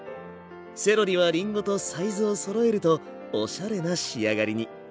セロリはりんごとサイズをそろえるとおしゃれな仕上がりに。